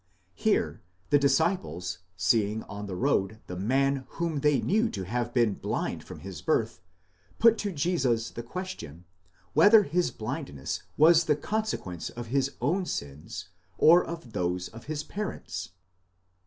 Here the disciples, seeing on the road the man whom they knew to have been blind from his birth, put to Jesus the question, whether his blindness was the consequence of his own sins, or of those of his parents?